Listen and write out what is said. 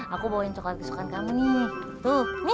aku bawain coklat kesukaan kamu nih tuh nih